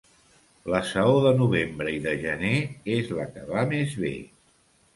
La saó de novembre i de gener és la que va més bé.